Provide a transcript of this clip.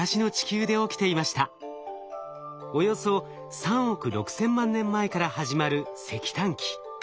およそ３億６千万年前から始まる石炭紀。